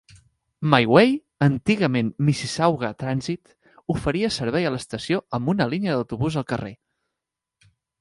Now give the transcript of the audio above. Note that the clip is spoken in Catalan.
MiWay, antigament Mississauga Transit, oferia servei a l'estació amb una línia d'autobús al carrer.